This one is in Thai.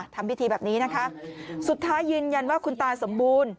ทำพิธีแบบนี้นะคะสุดท้ายยืนยันว่าคุณตาสมบูรณ์